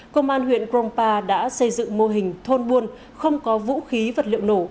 công an huyện krongpa đã xây dựng mô hình thôn buôn không có vũ khí vật liệu nổ